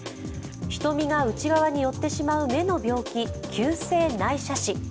瞳が内側によってしまう目の病気、急性内斜視。